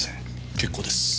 結構です。